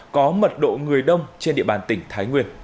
có mật độ người đông trên địa bàn tỉnh